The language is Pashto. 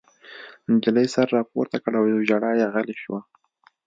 نجلۍ سر راپورته کړ او ژړا یې غلې شوه